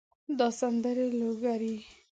دا سندرې لوګري